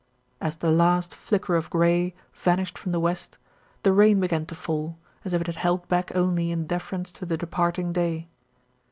As the last flicker of grey vanished from the west, the rain began to fall, as if it had held back only in deference to the departing day.